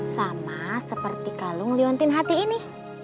sama seperti kalung liontin hati ini